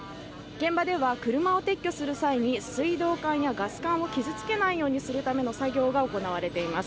現場では車を撤去する際に水道管やガス管を傷つけないようにするための作業が行われています。